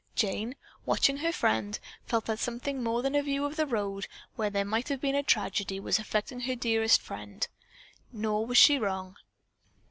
Jane, watching her friend, felt that something more than a view of the road where there might have been a tragedy was affecting her dearest friend, nor was she wrong.